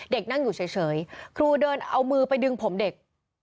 เด็กนั่งอยู่เฉยครูเดินเอามือไปดึงผมเด็ก